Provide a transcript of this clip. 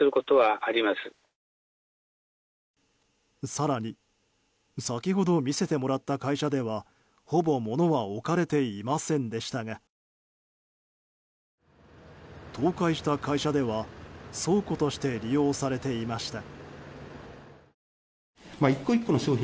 更に先ほど見せてもらった会社ではほぼ物は置かれていませんでしたが倒壊した会社では倉庫として利用されていました。